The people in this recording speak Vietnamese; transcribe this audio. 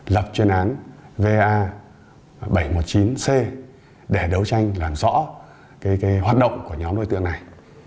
lập chuyên án va bảy trăm một mươi chín c để đấu tranh làm rõ hoạt động của nhóm đối tượng này